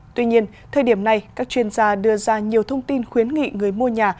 tuy nhiên thời điểm này các chuyên gia đưa ra nhiều thông tin khuyến nghị người mua nhà